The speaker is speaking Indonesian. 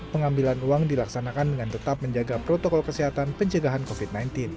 pengambilan uang dilaksanakan dengan tetap menjaga protokol kesehatan pencegahan covid sembilan belas